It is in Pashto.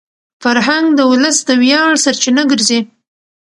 فرهنګ د ولس د ویاړ سرچینه ګرځي.